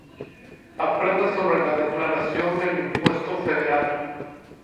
Aprenda sobre la declaración del impuesto federal